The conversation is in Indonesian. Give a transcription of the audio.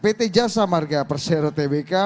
pt jasa marga persero tbk